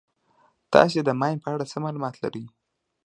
تاسې د ماین په اړه څه معلومات لرئ.